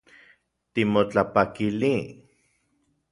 Timotlapakili